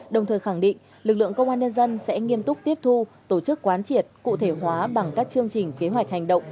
đồng thời khẳng định lực lượng công an nhân dân sẽ nghiêm túc tiếp thu tổ chức quán triệt cụ thể hóa bằng các chương trình kế hoạch hành động